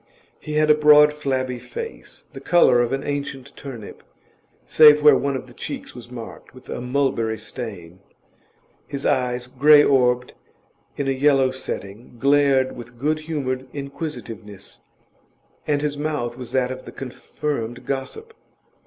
He had a broad, flabby face, the colour of an ancient turnip, save where one of the cheeks was marked with a mulberry stain; his eyes, grey orbed in a yellow setting, glared with good humoured inquisitiveness, and his mouth was that of the confirmed gossip.